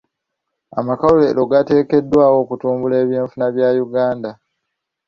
Amakolero gateekeddwawo okutumbula ebyenfuna bya Uganda.